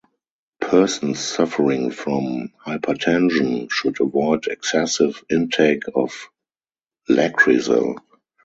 Persons suffering from hypertension should avoid excessive intake of Lakrisal.